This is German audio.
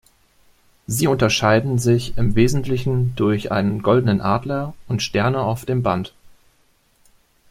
Sie unterscheiden sich im Wesentlichen durch einen goldenen Adler und Sterne auf dem Band.